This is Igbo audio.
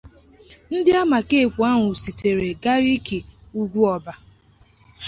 Ndị amakeekwu ahụ sitere Gariki Ugwuọba